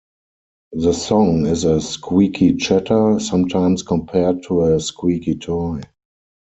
The song is a squeaky chatter, sometimes compared to a squeaky toy.